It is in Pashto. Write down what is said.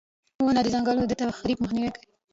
• ونه د ځنګلونو د تخریب مخنیوی کوي.